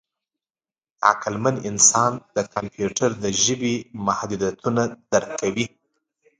عقلمن انسان د کمپیوټر د ژبې محدودیتونه درک کوي.